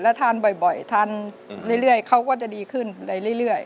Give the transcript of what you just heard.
ทานบ่อยทานเรื่อยเขาก็จะดีขึ้นเรื่อย